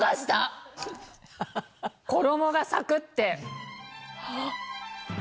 衣がサクって！